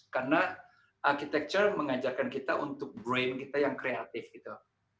karena architecture mengajarkan kita untuk brain kita yang kreatif gitu